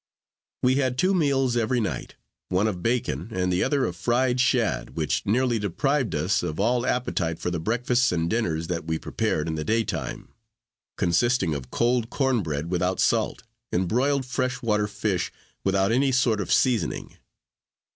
We had two meals every night, one of bacon and the other of fried shad, which nearly deprived us of all appetite for the breakfasts and dinners that we prepared in the daytime; consisting of cold corn bread without salt, and broiled fresh water fish, without any sort of seasoning.